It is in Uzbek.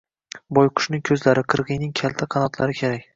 Boyqushning ko‘zlari, qirg‘iyning kalta qanotlari kerak!